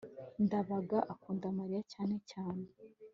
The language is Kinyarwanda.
ndabaga akunda mariya cyane cyane